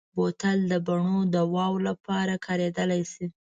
بوتل د بڼو دواوو لپاره کارېدلی شي.